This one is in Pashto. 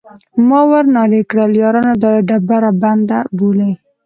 ما ور نارې کړل: یارانو دا ډبره بنده بولئ.